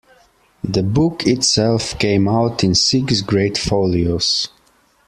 The book itself came out in six great folios.